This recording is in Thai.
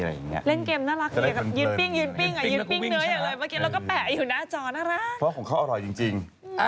เพราะอาหารของเขาร้อยจริง